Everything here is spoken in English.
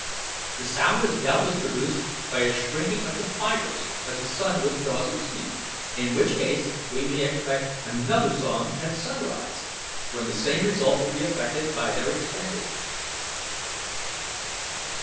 The sound is doubtless produced by a shrinking of the fibres as the sun withdraws its heat, in which case we may expect another song at sunrise, when the same result will be effected by their expanding."